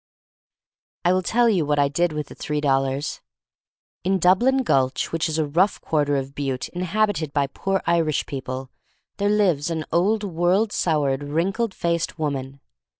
I will tell you what I did with the three dollars. In Dublin Gulch, which is a rough quarter of Butte inhabited by poor Irish people, there lives an old world soured, wrinkled faced woman.